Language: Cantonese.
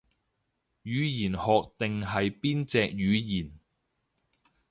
語言學定係邊隻語言